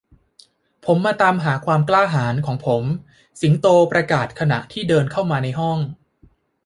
ผมมาตามหาความกล้าหาญของผม สิงโตประกาศขณะที่เดินเข้ามาในห้อง